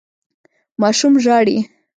ماشوم ژاړي.